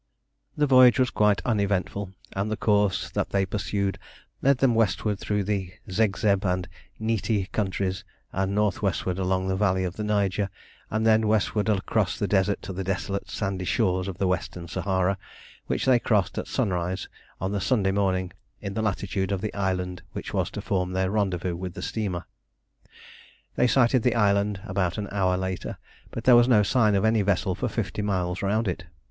The voyage was quite uneventful, and the course that they pursued led them westward through the Zegzeb and Nyti countries, then north westward along the valley of the Niger, and then westward across the desert to the desolate sandy shores of the Western Sahara, which they crossed at sunrise on the Sunday morning, in the latitude of the island which was to form their rendezvous with the steamer. They sighted the island about an hour later, but there was no sign of any vessel for fifty miles round it.